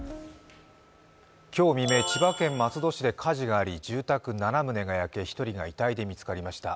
今日未明、千葉県松戸市で火事があり、住宅７棟が焼け、１人が遺体で見つかりました。